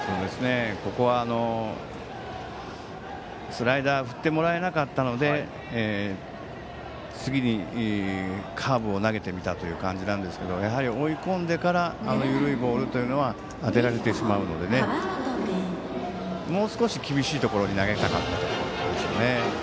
ここはスライダーを振ってもらえなかったので次にカーブを投げてみたという感じなんですがやはり追い込んでからあの緩いボールは当てられてしまうのでもう少し厳しいところに投げたかったでしょうね。